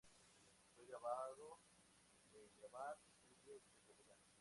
Fue grabado en Grabar estudios en Bogotá.